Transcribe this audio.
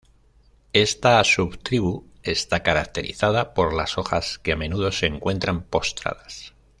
Esta subtribu está caracterizada por las hojas que a menudo se encuentran postradas.